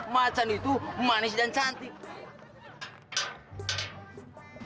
macan itu manis dan cantik